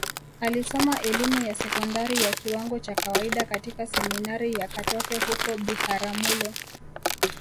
Alisoma elimu ya sekondari ya kiwango cha kawaida katika Seminari ya Katoke huko Biharamulo